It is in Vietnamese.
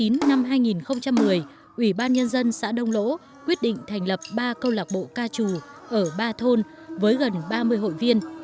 năm hai nghìn một mươi ủy ban nhân dân xã đông lỗ quyết định thành lập ba câu lạc bộ ca trù ở ba thôn với gần ba mươi hội viên